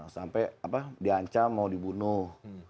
sampai diancam mau dibunuh